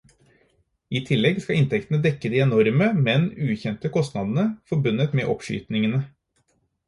I tillegg skal inntektene dekke de enorme, men ukjente kostnadene forbundet med oppskytingene.